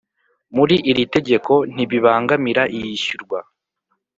muri iri tegeko ntibibangamira iyishyurwa